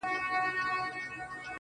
هغه ساعت، هغه غرمه، هغه د سونډو زبېښل,